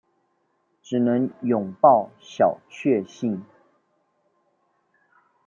只能擁抱小卻幸